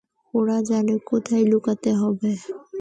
ওরা জানে কোথায় লুকাতে হবে।